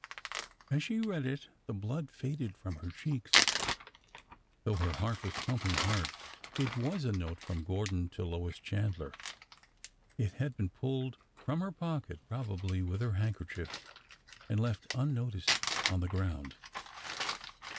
As she read it the blood faded from her cheeks, though her heart was pumping hard. It was a note from Gordon to Lois Chandler. It had been pulled from her pocket, probably, with her handkerchief, and left unnoticed on the ground.